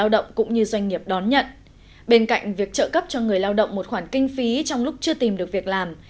bên cạnh việc trợ cấp cho người lao động một khoản kinh phí trong lúc chưa tìm được việc làm